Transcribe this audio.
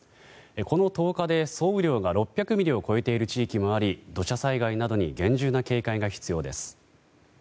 この１０日で総雨量が６００ミリを超えている地域もあり土砂災害などに厳重な警戒が必要です。